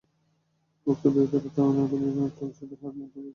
ভোক্তা ব্যয় বাড়াতে প্রায় ঋণাত্মক সুদের হার নির্ধারণ করেছে কেন্দ্রীয় ব্যাংক।